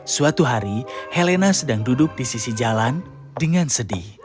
suatu hari helena sedang duduk di sisi jalan dengan sedih